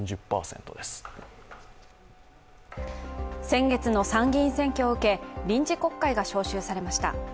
先月の参議院選挙を受け臨時国会が召集されました。